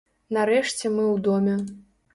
Нарэшце мы ў доме.